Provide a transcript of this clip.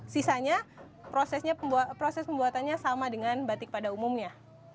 sisanya proses pembuatannya sama dengan batik pada umumnya